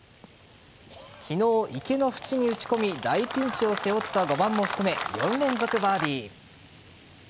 昨日、池の縁に打ち込み大ピンチを背負った５番を含め４連続バーディー。